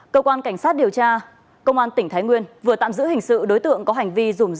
cơ quan cảnh sát điều tra công an tỉnh thái nguyên vừa tạm giữ hình sự đối tượng có hành vi dùng